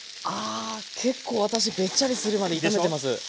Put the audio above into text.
あ結構私べっちゃりするまで炒めてます。